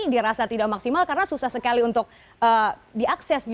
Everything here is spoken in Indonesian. dirasa tidak maksimal karena susah sekali untuk diakses